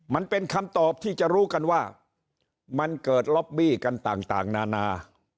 มันเป็นคำตอบที่จะรู้กันว่ามันเกิดล็อบบี้กันต่างนานา